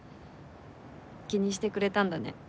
気にしてくれたんだね。